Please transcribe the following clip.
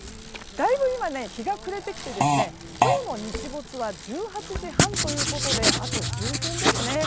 だいぶ今、日が暮れてきて今日の日没は１８時半ということであと数分ですね。